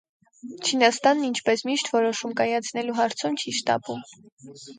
Չինաստանն ինչպես միշտ որոշում կայացնելու հարցում չի շտապում։